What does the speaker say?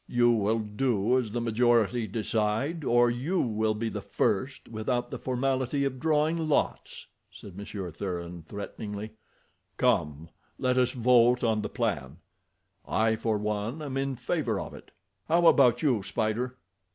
"You will do as the majority decide, or you will be 'the first' without the formality of drawing lots," said Monsieur Thuran threateningly. "Come, let us vote on the plan; I for one am in favor of it. How about you, Spider?"